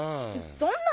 そんな！